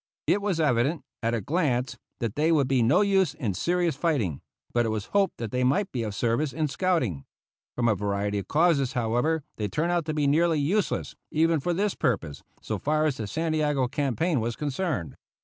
It was evident, at a glance, that they would be no use in serious fighting, but it was hoped that they might be of service in scouting. From a variety of causes, however, they turned out to be nearly useless, even for this purpose, so far as the Santiago campaign was concerned.